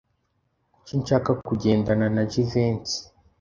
Kuki nshaka kugendana na Jivency?